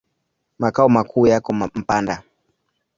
Makao makuu yako Mpanda.